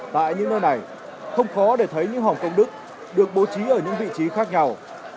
tại những nơi này không khó để thấy những hòng công đức được bố trí ở những vị trí khác nhau